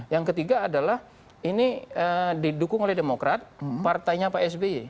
yang ketiga adalah ini didukung oleh demokrat partainya pak sby